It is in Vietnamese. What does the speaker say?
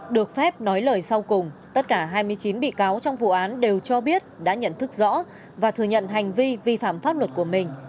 được phép nói lời sau cùng tất cả hai mươi chín bị cáo trong vụ án đều cho biết đã nhận thức rõ và thừa nhận hành vi vi phạm pháp luật của mình